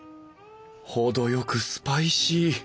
程よくスパイシー。